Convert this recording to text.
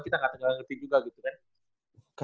kita gak tenggelam lebih juga gitu kan